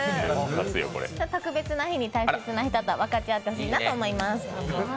特別な日に大切な人と分かち合ってほしいなと思います。